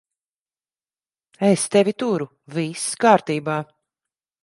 Es tevi turu. Viss kārtībā.